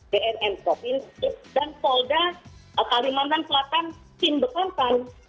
bnn sovin dan polda atau limantan selatan tim bekantan